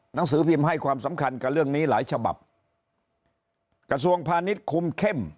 หนังสือพิมพ์ให้ความสำคัญกับเรื่องนี้หลายฉบับกระทรวงพาณิชย์คุมเข้ม